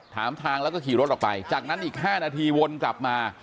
ทางแล้วก็ขี่รถออกไปจากนั้นอีก๕นาทีวนกลับมา